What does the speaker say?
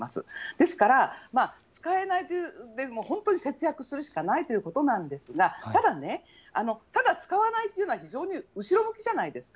ですから使えない、でも本当に節約するしかないということなんですが、ただね、ただ使わないというのは、非常に後ろ向きじゃないですか。